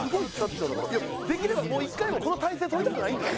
いやできればもう一回もこの体勢取りたくないんですよ。